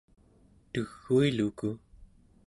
teguiluku